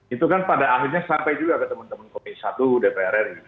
itu kan pada akhirnya sampai juga ke teman teman komisi satu dpr ri